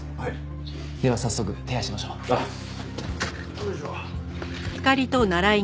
よいしょ。